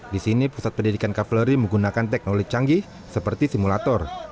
di sini pusat pendidikan kavaleri menggunakan teknologi canggih seperti simulator